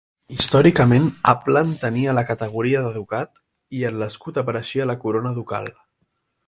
Històricament Uppland tenia la categoria de ducat i en l'escut apareix la corona ducal.